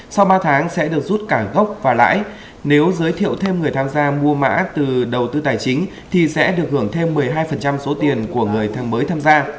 sau ba tháng sẽ được rút cả gốc và lãi nếu giới thiệu thêm người tham gia mua mã từ đầu tư tài chính thì sẽ được hưởng thêm một mươi hai số tiền của người tham mới tham gia